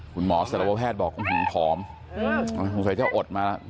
คุณหมอสตวแพทย์บอกว่าหุงผอมสมมติเจ้าอดมาแล้ว